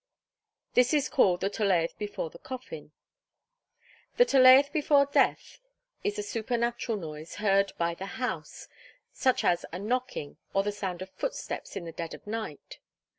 This is called the 'Tolaeth before the Coffin.' The 'Tolaeth before Death' is a supernatural noise heard about the house, such as a knocking, or the sound of footsteps in the dead of night.